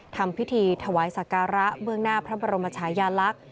ทำพิธีถวายสักการะเบื้องหน้าพระบรมชายาลักษณ์